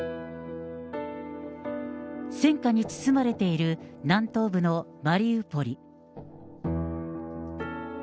戦禍に包まれている南東部のマリウポリ。